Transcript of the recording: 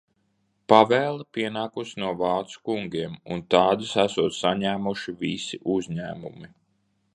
Pavēle pienākusi no vācu kungiem, un tādas esot saņēmuši visi uzņēmumi.